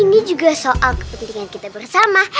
ini juga soal kepentingan kita bersama